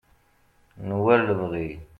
n war lebɣi